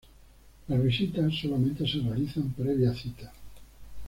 Las visitas solamente se realizan previa cita.